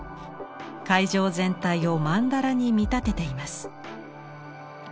会場全体を「曼荼羅」に見立てています。